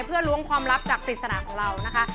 เพื่อล้วงความลับจากปริศนาของเรานะคะ